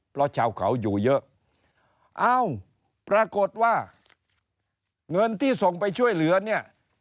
เพราะชาวเขาอยู่เยอะเอ้าปรากฏว่าเงินที่ส่งไปช่วยเหลือเนี่ย